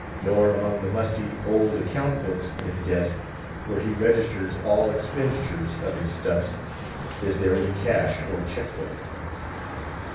Nor, among the musty, old account books in his desk, where he registers all expenditures of his stuffs, is there any cash or check book.